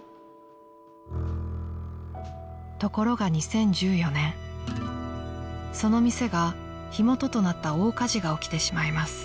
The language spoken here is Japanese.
［ところが２０１４年その店が火元となった大火事が起きてしまいます］